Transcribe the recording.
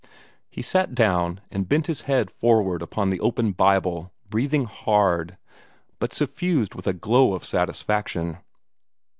He sat down, and bent his head forward upon the open Bible, breathing hard, but suffused with a glow of satisfaction.